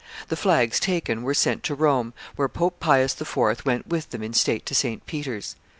The flags taken were sent to Rome, where Pope Pius IV. went with them in state to St. Peter's.